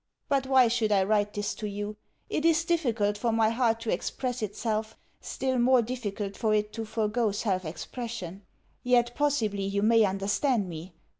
But why should I write this to you? It is difficult for my heart to express itself; still more difficult for it to forego self expression. Yet possibly you may understand me.